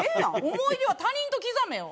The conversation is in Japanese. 思い出は他人と刻めよ。